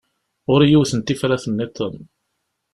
Ɣur-i yiwet n tifrat-nniḍen.